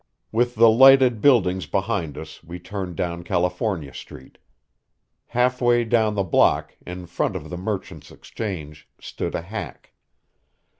With the lighted buildings behind us we turned down California Street. Half way down the block, in front of the Merchants' Exchange, stood a hack.